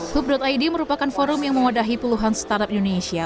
hub id merupakan forum yang memodahi puluhan startup indonesia